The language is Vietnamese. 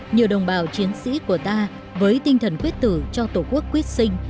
nhiều đồng bào chiến sĩ của ta với tinh thần quyết tử cho tổ quốc quyết sinh